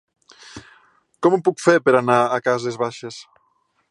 Com ho puc fer per anar a Cases Baixes?